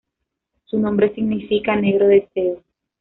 Su nombre significa "Negro Deseo".